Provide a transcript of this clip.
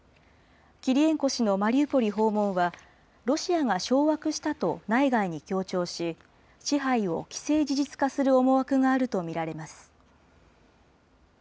キリエンコ氏のマリウポリ訪問は、ロシアが掌握したと内外に強調し、支配を既成事実化する思惑があると見られます。